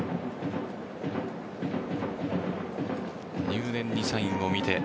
入念にサインを見て。